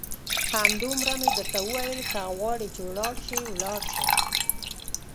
همدومره مې درته وویل، که غواړې چې ولاړ شې ولاړ شه.